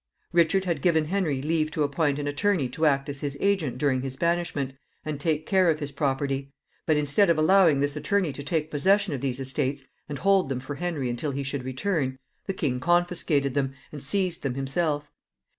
Richard had given Henry leave to appoint an attorney to act as his agent during his banishment, and take care of his property; but, instead of allowing this attorney to take possession of these estates, and hold them for Henry until he should return, the king confiscated them, and seized them himself.